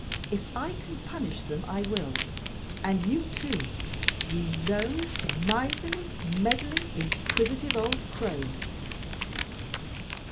If I can punish them I will; and you too, you low, miserly, meddling, inquisitive old crone."